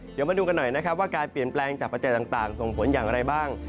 เดี๋ยวมาดูกันหน่อยนะครับว่าการเปลี่ยนแปลงจากปัจจัยต่างส่งผลอย่างไรบ้าง